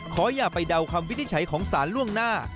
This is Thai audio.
ขออย่าไปเดาคำวิทย์ใช้ของสารล่วงหน้า